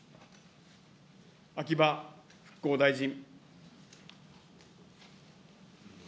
秋葉復興大臣。